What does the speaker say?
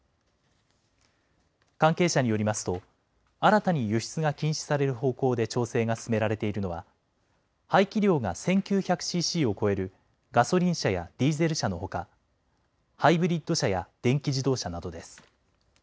関係者によりますと新たに輸出が禁止される方向で調整が進められているのは排気量が１９００ｃｃを超えるガソリン車やディーゼル車のほかハイブリッド車や電気自動車などです。